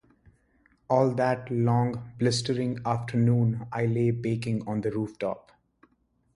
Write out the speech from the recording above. All that long blistering afternoon I lay baking on the rooftop.